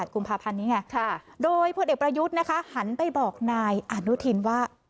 กุมภาพันธ์นี้ไงโดยพลเอกประยุทธ์นะคะหันไปบอกนายอนุทินว่า